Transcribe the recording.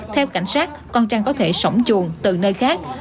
theo cảnh sát con trăng có thể sổng chuồn từ nơi khác